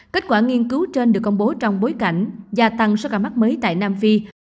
kết quả nghiên cứu trên được công bố trong bối cảnh gia tăng số ca mắc mới tại nam phi